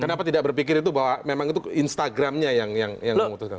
kenapa tidak berpikir itu bahwa memang itu instagramnya yang memutuskan